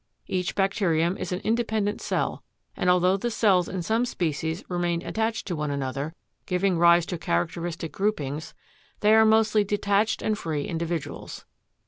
Each bacterium is an independent cell and although the cells in some species remain attached to one another, giving rise to characteristic groupings, they are mostly detached and free individuals.